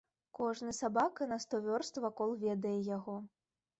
Кожны сабака на сто вёрст вакол ведае яго.